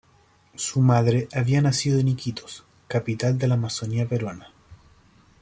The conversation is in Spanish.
Su madre, había nacido en Iquitos, capital de la Amazonia peruana.